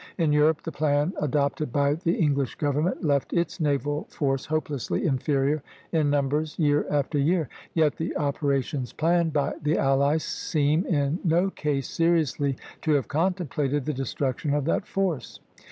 In Europe the plan adopted by the English government left its naval force hopelessly inferior in numbers year after year; yet the operations planned by the allies seem in no case seriously to have contemplated the destruction of that force.